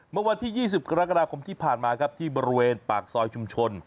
เมื่อวันที่๒๐กรกฎาคมที่ผ่านมาครับที่บริเวณปากซอยชุมชน